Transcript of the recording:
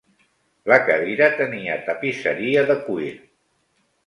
La cadira tenia tapisseria de cuir.